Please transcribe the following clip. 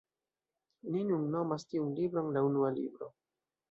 Ni nun nomas tiun libron la Unua Libro.